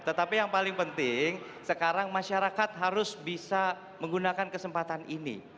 tetapi yang paling penting sekarang masyarakat harus bisa menggunakan kesempatan ini